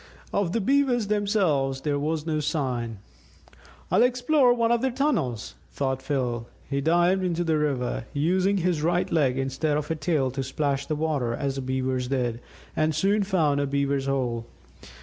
Of the Beavers themselves there was no sign. "I'll explore one of their tunnels," thought Phil. He dived into the river, using his right leg instead of a tail to splash the water as the Beavers did, and soon found a Beaver's hole.